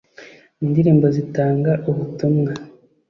indirimbo zitanga ubutumwa.